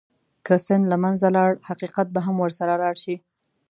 که سند له منځه لاړ، حقیقت به هم ورسره لاړ شي.